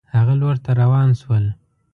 هغه لور ته روان شول.